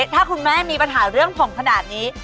ถ้าคุณแม่มีปัญหาเรื่องผงขนาดนี้